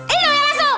eh udah masuk